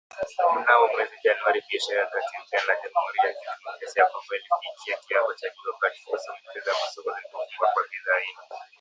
Mnamo mwezi Januari, biashara kati ya Uganda na Jamuhuri ya kidemokrasia ya Kongo ilifikia kiwango cha juu, wakati fursa mpya za masoko zilipofunguka kwa bidhaa ilo